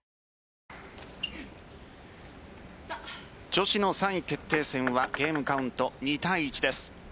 女子の３位決定戦はゲームカウントに２対１です。